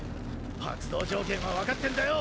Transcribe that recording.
発動条件は分かってんだよ！